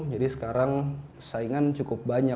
jadi sekarang saingan cukup banyak